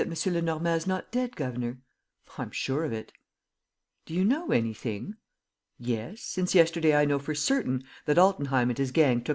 Lenormand is not dead, governor?" "I'm sure of it." "Do you know anything?" "Yes, since yesterday I know for certain that Altenheim and his gang took M.